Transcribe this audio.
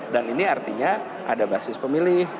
dan ini artinya ada basis pemilih